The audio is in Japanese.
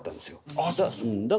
あそうですか。